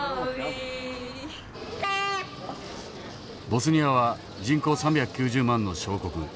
ボスニアは人口３９０万の小国。